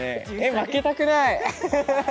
負けたくない。